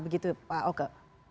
begitu pak oke